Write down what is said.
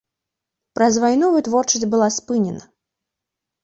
Праз вайну вытворчасць была спынена.